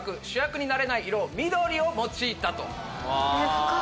深い！